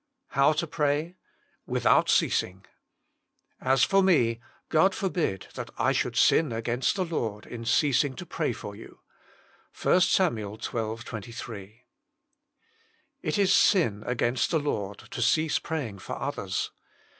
now TO PRAY. tSRiihout dousing " As for me, God forbid that I should sin against the Lord in ceasing to pray for yon." 1 SAM. xii. 23. It is sin against the Lord to cease praying for others.